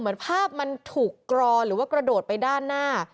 เหมือนภาพมันถูกกรอหรือว่ากระโดดไปด้านหน้า